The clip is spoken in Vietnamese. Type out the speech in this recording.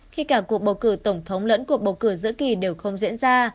khi cả cuộc bầu cử tổng thống lẫn cuộc bầu cử giữa kỳ đều không diễn ra